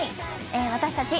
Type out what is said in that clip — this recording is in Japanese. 私たち。